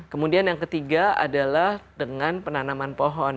kemudian yang ketiga adalah dengan penanaman pohon